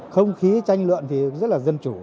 không khí tranh lượng thì rất là dân chủ